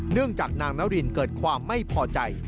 จากนางนารินเกิดความไม่พอใจ